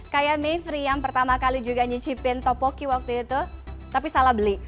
kayak mayfrey yang pertama kali juga nyicipin topoki waktu itu tapi salah beli